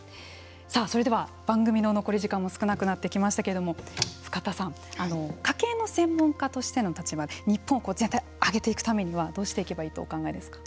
さあそれでは番組の残り時間も少なくなってきましたけれども深田さん、家計の専門家としての立場で日本全体を上げていくためにはどうしていけばいいとお考えですか。